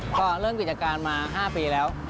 ก็เริ่มกิจการมา๕ปีแล้ว